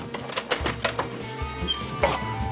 あっ！